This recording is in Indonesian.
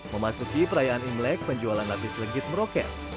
memasuki perayaan imlek penjualan lapis legit meroket